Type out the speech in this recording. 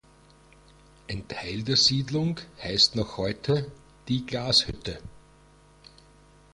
Ein Teil der Siedlung heißt noch heute „Die Glashütte“.